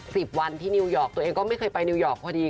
สิบวันที่นิวยอร์กตัวเองก็ไม่เคยไปนิวยอร์กพอดี